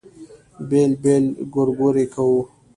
بېل بېل ګورګورې کوو.